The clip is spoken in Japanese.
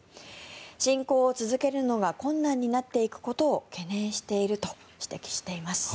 侵攻を続けるのが困難になっていくことを懸念していると指摘しています。